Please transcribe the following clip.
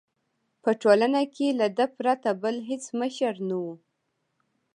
په ټولنه کې له ده پرته بل هېڅ مشر نه وو.